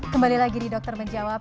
kembali lagi di dokter menjawab